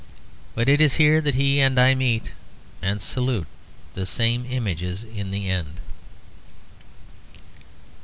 But it is here that he and I meet; and salute the same images in the end.